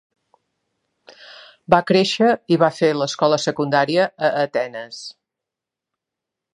Va créixer i va fer l'escola secundària a Atenes.